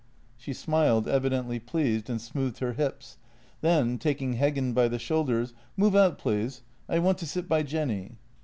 She smiled, evidently pleased, and smoothed her hips; then, taking Heggen by the shoulders: "Move out, please, I want to sit by Jenny."